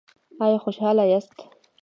ایا خوشحاله یاست؟